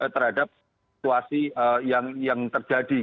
terhadap situasi yang terjadi